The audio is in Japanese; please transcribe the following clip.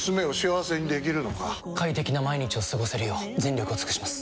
快適な毎日を過ごせるよう全力を尽くします！